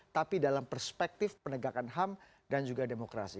tapi dalam perspektif penegakan ham dan juga demokrasi